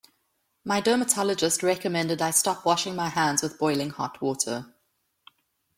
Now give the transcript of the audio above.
My dermatologist recommended I stop washing my hands with boiling hot water.